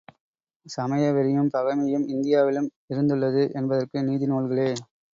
சமயவெறியும், பகைமையும் இந்தியாவிலும் இருந்துள்ளது என்பதற்கு நீதி நூல்களே.